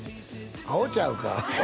アホちゃうか？